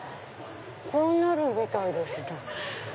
こうなるみたいですね。